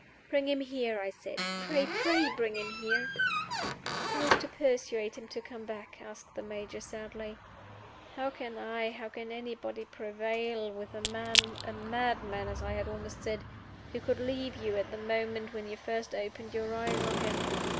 "Bring him here!" I said. "Pray, pray bring him here!" "Who is to persuade him to come back?" asked the Major, sadly. "How can I, how can anybody, prevail with a man a madman I had almost said! who could leave you at the moment when you first opened your eyes on him?